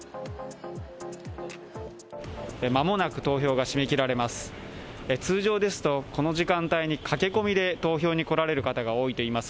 間もなく投票が締めきられます。